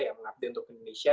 yang mengabdi untuk indonesia